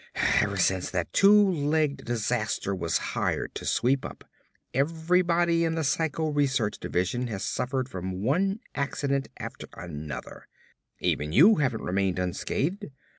Ever since that two legged disaster was hired to sweep up, everybody in the psycho research division has suffered from one accident after another; even you haven't remained unscathed.